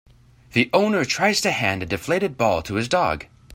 The owner tries to hand a deflated ball to his dog.